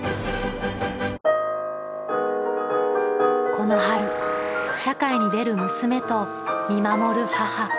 この春社会に出る娘と見守る母。